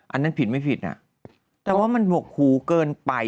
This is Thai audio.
อันนั้นผิดไม่ผิดอ่ะแต่ว่ามันบวกหูเกินไป